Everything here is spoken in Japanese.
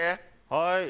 はい。